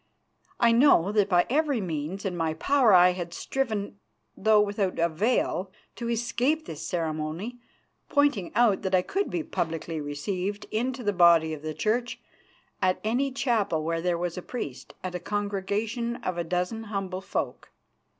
I know that by every means in my power I had striven, though without avail, to escape this ceremony, pointing out that I could be publicly received into the body of the Church at any chapel where there was a priest and a congregation of a dozen humble folk.